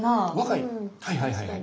はいはいはいはい。